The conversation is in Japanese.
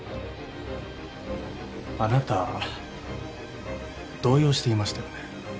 あなたは動揺していましたよね？